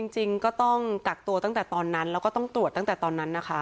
จริงก็ต้องกักตัวตั้งแต่ตอนนั้นแล้วก็ต้องตรวจตั้งแต่ตอนนั้นนะคะ